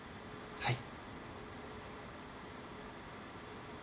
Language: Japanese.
はい。